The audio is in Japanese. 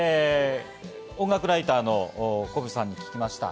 音楽ライターの小渕さんに聞きました。